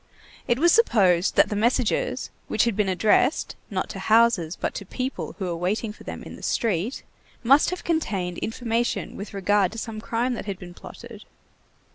It was supposed that the messages, which had been addressed, not to houses, but to people who were waiting for them in the street, must have contained information with regard to some crime that had been plotted.